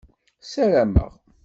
Ssarameɣ.